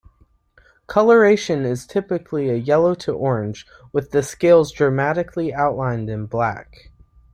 Coloration is typically a yellow to orange, with the scales dramatically outlined in black.